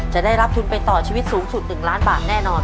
จะได้รับทุนไปต่อชีวิตสูงสุด๑ล้านบาทแน่นอน